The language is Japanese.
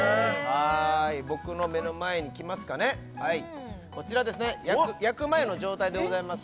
はい僕の目の前に来ますかねこちら焼く前の状態でございます